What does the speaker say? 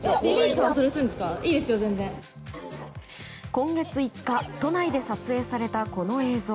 今月５日都内で撮影されたこの映像。